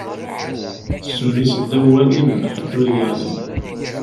Ssem-is ddaw walim, ḥedd ur yeɛlim.